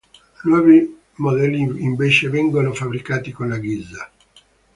Nuovi modelli invece vengono fabbricati con la ghisa.